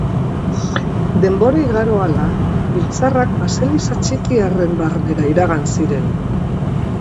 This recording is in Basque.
Denbora igaro hala, biltzarrak baseliza txiki harren barnera iragan ziren.